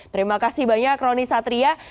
terima kasih banyak roni satria